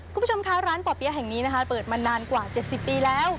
คุณผู้ชมค้าร้านแห่งนี้นะคะเปอดมานานกว่าเจ็ดสิบปีแล้ว